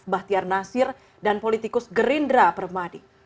bahtiar nasir dan politikus gerindra permadi